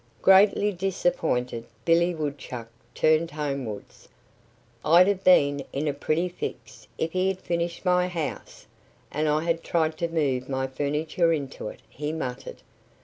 Greatly disappointed, Billy Woodchuck turned homewards. "I'd have been in a pretty fix if he had finished my house, and I had tried to move my furniture into it," he muttered.